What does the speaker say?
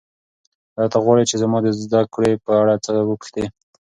ایا ته غواړې چې زما د زده کړو په اړه څه وپوښتې؟